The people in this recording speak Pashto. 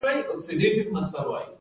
ایا زه باید ماشوم ته سبزي ورکړم؟